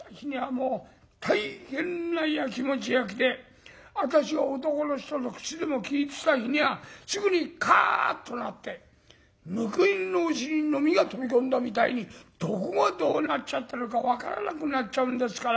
もう大変なやきもちやきで私が男の人と口でも利いてた日にゃすぐにカーッとなってむく犬のお尻に蚤が飛び込んだみたいにどこがどうなっちゃったのか分からなくなっちゃうんですから。